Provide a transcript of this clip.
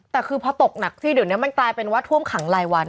แต่คือพอตกหนักสิเดี๋ยวนี้มันกลายเป็นว่าท่วมขังรายวัน